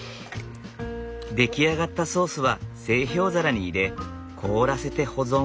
出来上がったソースは製氷皿に入れ凍らせて保存。